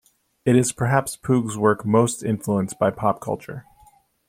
It is perhaps Puig's work most influenced by pop culture.